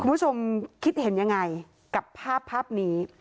คุณผู้ชมคิดเห็นยังไงกับภาพภาพนี้